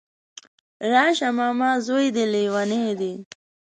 راشه ماما ځوی دی ليونی دی